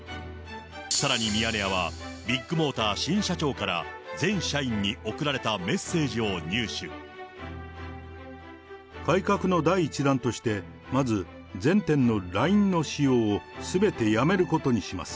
さらにミヤネ屋はビッグモーター新社長から全社員に送られたメッ改革の第１弾として、まず、全店のＬＩＮＥの使用をすべてやめることにします。